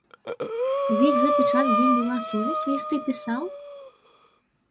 Увесь гэты час з ім была сувязь, лісты пісаў?